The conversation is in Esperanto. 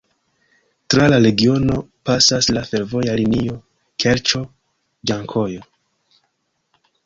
Tra la regiono pasas la fervoja linio Kerĉo-Ĝankojo.